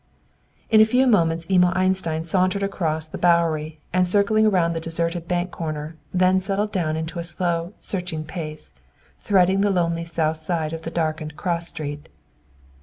In a few moments Emil Einstein sauntered across the Bowery and circling around the deserted bank corner, then settled down into a slow, searching pace, threading the lonely south side of the darkened cross street.